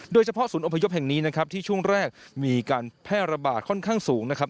ศูนย์อพยพแห่งนี้นะครับที่ช่วงแรกมีการแพร่ระบาดค่อนข้างสูงนะครับ